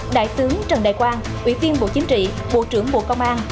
đại tướng trần đại quang ủy viên bộ chính trị bộ trưởng bộ công an